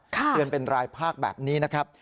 เตือนเป็นรายภาคแบบนี้นะครับ